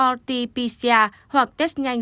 rt pcr hoặc test nhanh